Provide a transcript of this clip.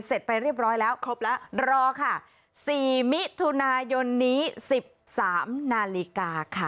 เสร็จไปเรียบร้อยแล้วครบแล้วรอค่ะ๔มิถุนายนนี้๑๓นาฬิกาค่ะ